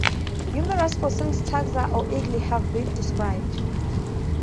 Numerous fossil taxa of eagles have been described.